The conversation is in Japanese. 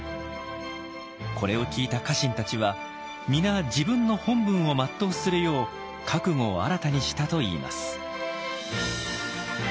これを聞いた家臣たちは皆自分の本分を全うするよう覚悟を新たにしたといいます。